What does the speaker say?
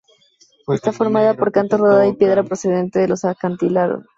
Está formada por canto rodado y piedra procedente de los acantilados.